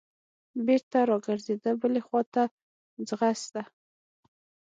بېرته راګرځېده بلې خوا ته ځغسته.